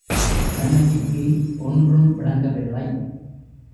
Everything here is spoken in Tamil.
கண்ணகிக்கு ஒன்றும் விளங்கவில்லை.